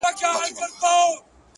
هغه به اور له خپلو سترګو پرېولي؛